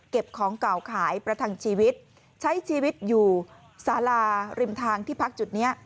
ของเก่าขายประทังชีวิตใช้ชีวิตอยู่สาราริมทางที่พักจุดนี้